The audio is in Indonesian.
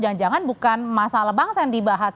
jangan jangan bukan masalah bangsa yang dibahas